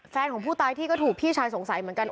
แฟนของผู้ตายที่ก็ถูกพี่ชายสงสัยเหมือนกัน